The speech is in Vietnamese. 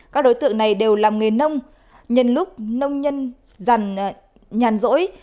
các đối tượng này đều làm nghề nông nhân lúc nông nhân dàn nhàn rỗi